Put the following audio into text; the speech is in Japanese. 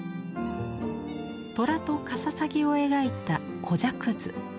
トラとカササギを描いた「虎鵲図」。